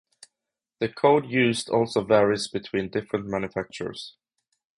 The code used also varies between different manufacturers.